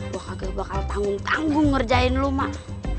gua kagak bakal tanggung tanggung ngerjain lu mak